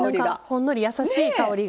ほんのりやさしい香りが。